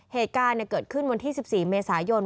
เหตุการณ์เกิดขึ้นวันที่๑๔เมษายน